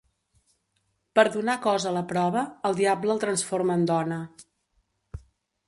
Per donar cos a la prova, el Diable el transforma en dona…